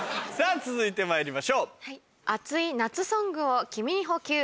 続いてまいりましょう。